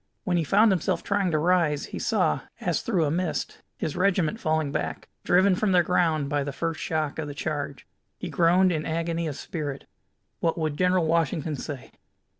When he found himself trying to rise, he saw, as through a mist, his regiment falling back, driven from their ground by the first shock of the charge. He groaned in agony of spirit. What would General Washington say?